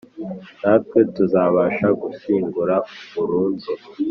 natwe tuzabafasha gushyingura burundu